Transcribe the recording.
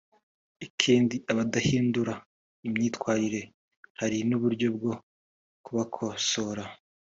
ikindi abadahindura imyitwarire hari n’uburyo bwo kubakosora